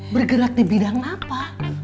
bergerak di bidang apa